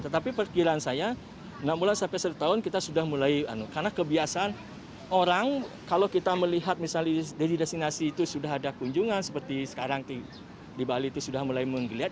tetapi perkiraan saya enam bulan sampai satu tahun kita sudah mulai karena kebiasaan orang kalau kita melihat misalnya dari destinasi itu sudah ada kunjungan seperti sekarang di bali itu sudah mulai menggeliat